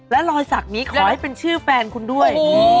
และรอยสักนี้ขอให้เป็นชื่อแฟนคุณด้วย